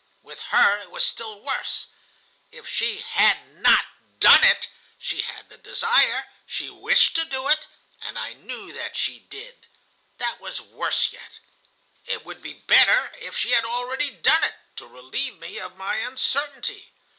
With her it was still worse. If she had not done it, she had the desire, she wished to do it, and I knew that she did. That was worse yet. It would be better if she had already done it, to relieve me of my uncertainty.